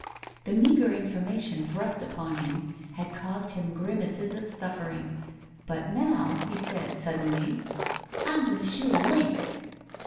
The meagre information thrust upon him had caused him grimaces of suffering, but now he said, suddenly, "I'm goin' to shoot a lynx."